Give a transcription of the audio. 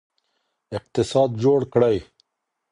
اقتصاد جوړ کړئ.